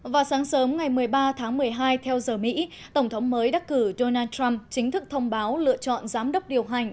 vào sáng sớm ngày một mươi ba tháng một mươi hai theo giờ mỹ tổng thống mới đắc cử donald trump chính thức thông báo lựa chọn giám đốc điều hành